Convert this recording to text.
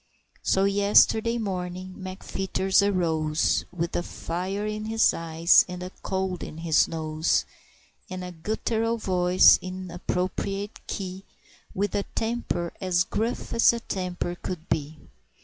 So, yesterday morning, McFeeters arose, With a fire in his eyes, and a cold in his nose, And a gutteral voice in appropriate key With a temper as gruff as a temper could be.